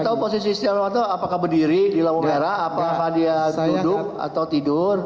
nggak tahu posisi stianovanto apakah berdiri di lampu merah apakah dia duduk atau tidur